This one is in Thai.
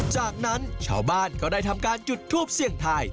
จากนั้นชาวบ้านก็ได้ทำการจุดทูปเสี่ยงทาย